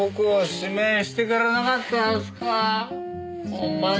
ほんまに。